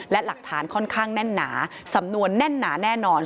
และหลักฐานค่อนข้างแน่นหนาสำนวนแน่นหนาแน่นอน